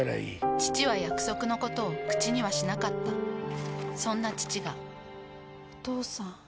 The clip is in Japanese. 父は約束のことを口にはしなかったそんな父がお父さん。